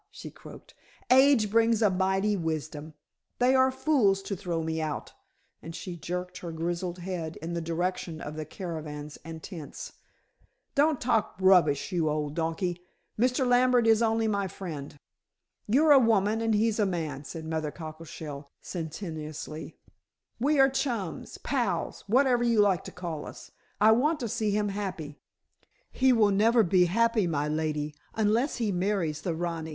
she croaked. "Age brings a mighty wisdom. They were fools to throw me out," and she jerked her grizzled head in the direction of the caravans and tents. "Don't talk rubbish, you old donkey! Mr. Lambert is only my friend." "You're a woman and he's a man," said Mother Cockleshell sententiously. "We are chums, pals, whatever you like to call us. I want to see him happy." "He will never be happy, my lady, unless he marries the rani.